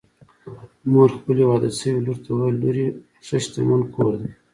مور خپلې واده شوې لور ته وویل: لورې! ښه شتمن کور دی